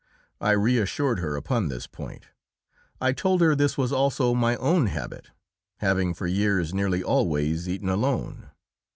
I reassured her upon this point. I told her this was also my own habit, having for years nearly always eaten alone.